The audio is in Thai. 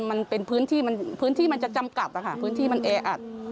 มันเป็นพื้นที่มันจะจำกัดอะค่ะพื้นที่มันแออัด